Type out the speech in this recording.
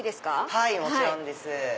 はいもちろんです。